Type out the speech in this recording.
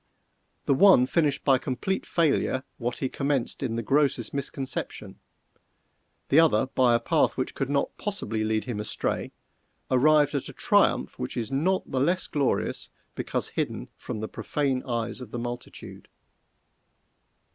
The one finished by complete failure what he commenced in the grossest misconception; the other, by a path which could not possibly lead him astray, arrived at a triumph which is not the less glorious because hidden from the profane eyes of the multitude.